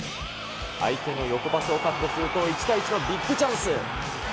相手の横パスをカットすると、１対１のビッグチャンス。